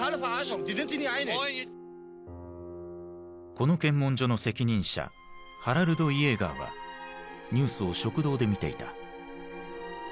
この検問所の責任者ハラルド・イエーガーはニュースを食堂で見ていた。